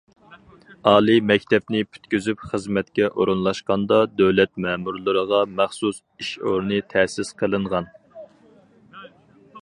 ئالىي مەكتەپنى پۈتكۈزۈپ خىزمەتكە ئورۇنلاشقاندا، دۆلەت مەمۇرلىرىغا مەخسۇس ئىش ئورنى تەسىس قىلىنغان.